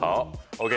ＯＫ！